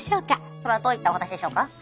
それはどういったお話でしょうか？